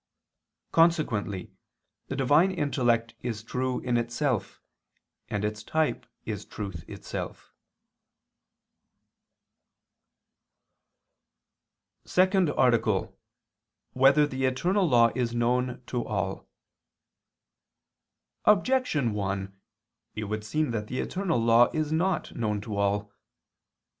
Consequently the Divine intellect is true in itself; and its type is truth itself. ________________________ SECOND ARTICLE [I II, Q. 93, Art. 2] Whether the Eternal Law Is Known to All? Objection 1: It would seem that the eternal law is not known to all.